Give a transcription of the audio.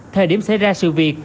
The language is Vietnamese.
thời điểm xảy ra sự việc